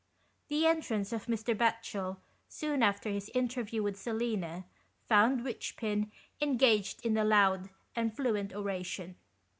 The entrance of Mr. Batchel, soon after his interview with Selina, found Richpin engaged in a loud and fluent oration.